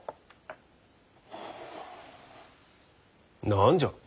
何じゃ？